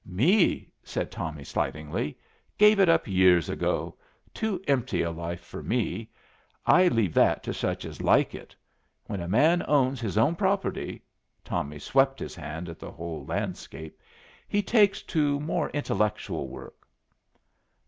"Me?" said Tommy, slightingly; "gave it up years ago; too empty a life for me. I leave that to such as like it. When a man owns his own property" Tommy swept his hand at the whole landscape "he takes to more intellectual work."